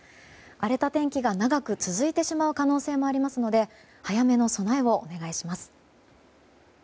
荒れた天気が長く続いてしまう可能性もありますので早めの備えをお願いします。